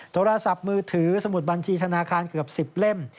โทรศัพท์มือถือสมุดบัญชีธนาคารเกือบ๑๐เล่ม